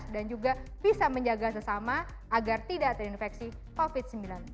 dan juga bisa menjaga sesama agar tidak terinfeksi covid sembilan belas